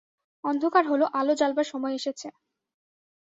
অন্ধকার হল, আলো জ্বালবার সময় এসেছে।